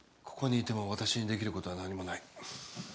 ここにいても私にできることは何もない。